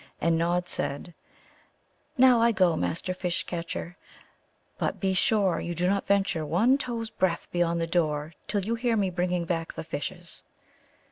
And Nod said: "Now I go, Master Fish catcher; but be sure you do not venture one toe's breadth beyond the door till you hear me bringing back the fishes."